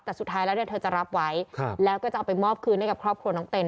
แต่สุดท้ายแล้วเนี่ยเธอจะรับไว้แล้วก็จะเอาไปมอบคืนให้กับครอบครัวน้องเต้น